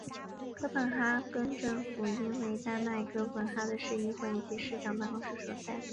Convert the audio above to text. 哥本哈根市政厅是丹麦哥本哈根的市议会以及市长办公室所在地。